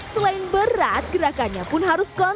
selain berat gerakannya pun harus kontrak